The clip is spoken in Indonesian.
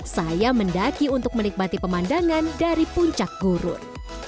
saya mendaki untuk menikmati pemandangan dari puncak gurun